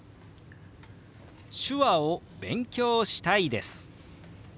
「手話を勉強したいです」。